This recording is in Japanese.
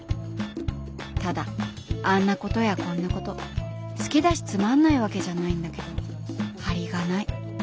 ただあんなことやこんなこと好きだしつまんないわけじゃないんだけど張りがない。